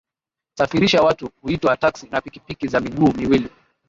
safirisha watu huitwa taxi na pikipiki za miguu miwili